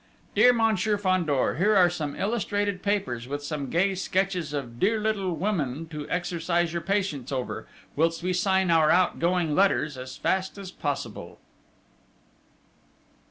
Dear Monsieur Fandor, here are some illustrated papers with some gay sketches of dear little women to exercise your patience over, whilst we sign our outgoing letters as fast as possible...."